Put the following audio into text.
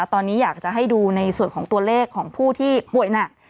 ตอนนี้อยากจะให้ดูในส่วนของตัวเลขของผู้ที่ป่วยหนัก